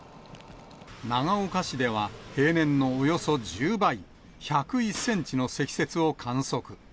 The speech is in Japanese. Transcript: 長岡市では平年のおよそ１０倍、１０１センチの積雪を観測。